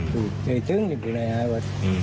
ถูกเตรียมถึงอยู่ในอายาวัฒน์